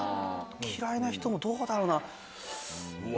嫌いな人もどうだろうな？